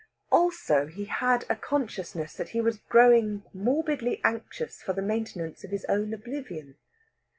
Also, he had a consciousness that he was growing morbidly anxious for the maintenance of his own oblivion.